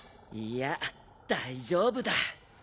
いや大丈夫だ。